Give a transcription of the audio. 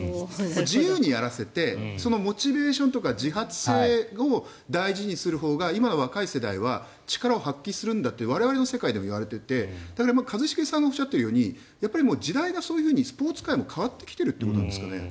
自由にやらせてそのモチベーションとか自発性を大事にするほうが今の若い世代は力を発揮するんだと我々の世界でも言われていてでも一茂さんのおっしゃっているように時代がそういうふうにスポーツ界も変わってきているということですかね。